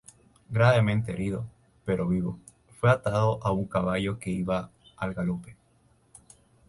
Gravemente herido, pero vivo, fue atado a un caballo que iba al galope.